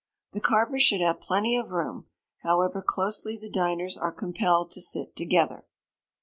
The carver should have plenty of room, however closely the diners are compelled to sit together.